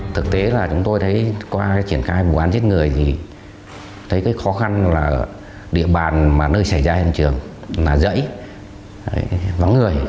thực tế là chúng tôi thấy qua triển khai vụ án giết người thì thấy cái khó khăn là địa bàn mà nơi xảy ra hiện trường là dãy vắng người